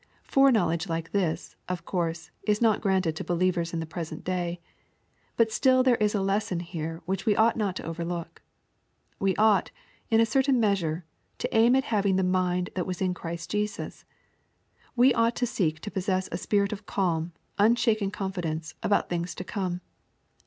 Fore knowledge like this, of course, is not granted to believers in the present day. But still there is a lesson here which we ought not to overlook. We ought, in a certain measure, to aim at having the mind that was in Christ Jesus. We onght to seek to possess a s{>irit of calm, unshaken confidence about things to come.